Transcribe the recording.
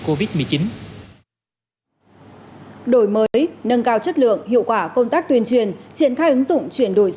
covid một mươi chín đổi mới nâng cao chất lượng hiệu quả công tác tuyên truyền triển khai ứng dụng chuyển đổi